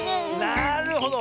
なるほど。